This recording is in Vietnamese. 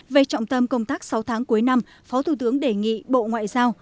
về trọng tâm công tác sáu tháng cuối năm phó thủ tướng đề nghị bộ ngoại giao